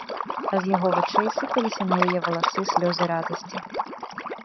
А з яго вачэй сыпаліся на яе валасы слёзы радасці.